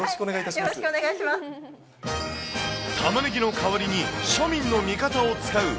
たまねぎの代わりに、庶民の味方を使う！